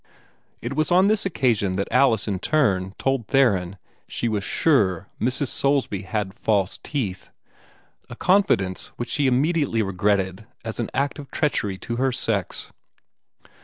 It was on this occasion that Alice in turn told Theron she was sure Mrs. Soulsby had false teeth a confidence which she immediately regretted as an act of treachery to her sex.